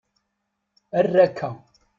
Err akka.